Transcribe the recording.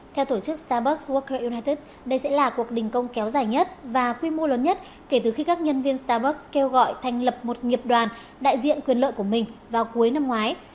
theo tổ chức starbus work united đây sẽ là cuộc đình công kéo dài nhất và quy mô lớn nhất kể từ khi các nhân viên starbus kêu gọi thành lập một nghiệp đoàn đại diện quyền lợi của mình vào cuối năm ngoái